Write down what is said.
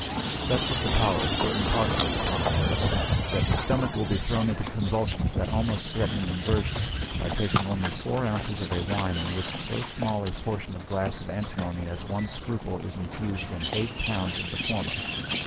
Such is the power of certain particles upon the nerves, that the stomach will be thrown into convulsions that almost threaten an inversion, by taking only four ounces of a wine in which so small a portion of glass of antimony as one scruple is infused in eight pounds of the former.